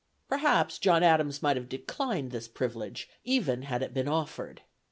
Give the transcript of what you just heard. Possibly John Adams might have declined this privilege even had it been offered.